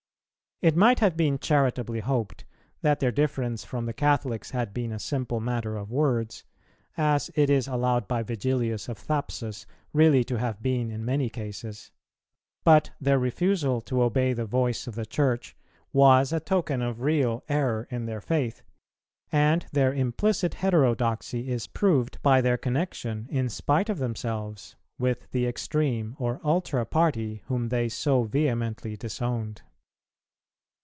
It might have been charitably hoped that their difference from the Catholics had been a simple matter of words, as it is allowed by Vigilius of Thapsus really to have been in many cases; but their refusal to obey the voice of the Church was a token of real error in their faith, and their implicit heterodoxy is proved by their connexion, in spite of themselves, with the extreme or ultra party whom they so vehemently disowned.